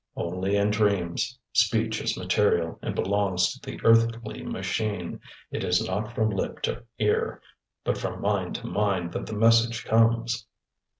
"Only in dreams. Speech is material, and belongs to the earthly machine. It is not from lip to ear, but from mind to mind that the message comes."